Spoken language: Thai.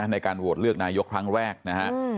ในการโหวตเลือกนายกครั้งแรกนะฮะ